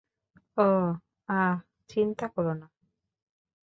ওহ, আহ, চিন্তা করো না।